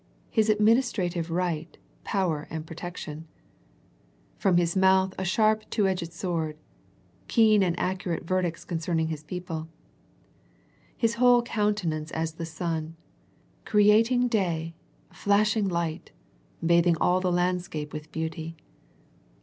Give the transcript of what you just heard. His administrative right, power and protection; from His mouth a sharp two edged sword, keen and accurate verdicts concerning His people; His whole countenance as the sun, creating day, flashing light, bathing all the landscape with beauty.